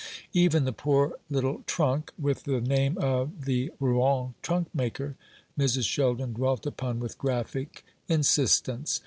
Even the poor little trunk, with the name of the Rouen trunk maker, Mrs. Sheldon dwelt upon with graphic insistence.